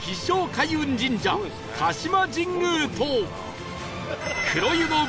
開運神社鹿島神宮と